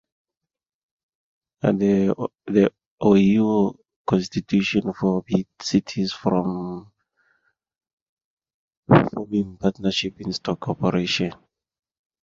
The Ohio Constitution forbade cities from forming partnerships in stock corporations.